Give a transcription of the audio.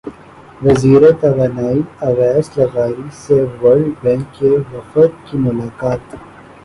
وزیر توانائی اویس لغاری سے ورلڈ بینک کے وفد کی ملاقات